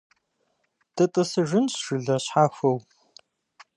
ДытӀысыжынщ жылэ щхьэхуэу.